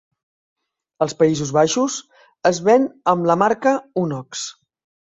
Als Països Baixos, es ven amb la marca Unox.